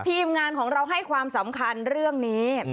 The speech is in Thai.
ทีมงานของเราให้ความสำคัญเรื่องนี้